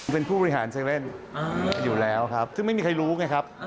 เป็นผู้บริหาร๗๑๑อยู่แล้วครับซึ่งไม่มีใครรู้ไงครับ